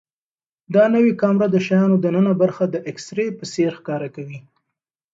دا نوې کامره د شیانو دننه برخه د ایکس ری په څېر ښکاره کوي.